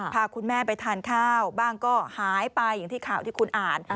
พาคุณแม่ไปทานข้าวบ้างก็หายไปอย่างที่ข่าวที่คุณอ่าน